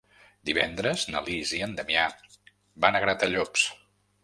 Divendres na Lis i en Damià van a Gratallops.